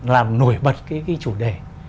là nổi bật cái chủ đề